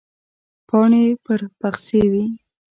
پاڼې پر پخڅې وې.